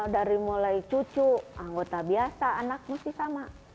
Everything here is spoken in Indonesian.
dari mulai cucu anggota biasa anak mesti sama